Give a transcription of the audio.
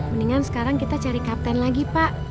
mendingan sekarang kita cari kapten lagi pak